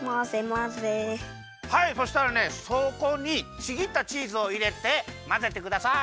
はいそしたらねそこにちぎったチーズをいれてまぜてください。